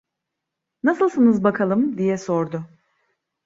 Nasılsınız bakalım? diye sordu.